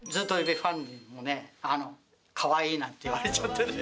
ファンにもね、かわいいなんて言われちゃってね。